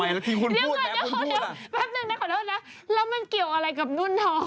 ขอโทษนะแล้วมันเกี่ยวกับนู่นทอง